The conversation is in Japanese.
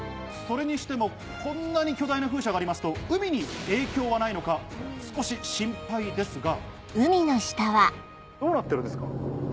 それにしてもこんなに巨大な風車がありますと海に影響はないのか少し心配ですが。